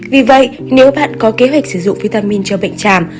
vì vậy nếu bạn có kế hoạch sử dụng vitamin cho bệnh tràm